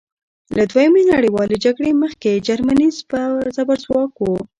له دویمې نړیوالې جګړې مخکې جرمني زبرځواک وه.